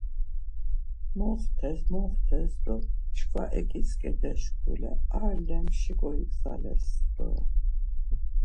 Moxtes moxtes do çkva eǩitzǩedes şkule ar lemşiǩo igzales doren.